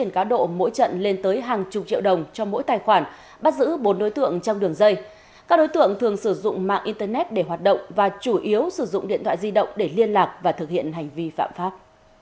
các đối tượng thường sử dụng mạng internet để hoạt động và chủ yếu sử dụng điện thoại di động để liên lạc và thực hiện hành vi phạm pháp